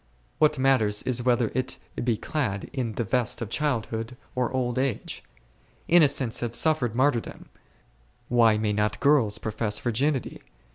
what matters it whether it be clad in the vest of childhood or old age ? Innocents have suffered martyrdom, why may not girls profess virginity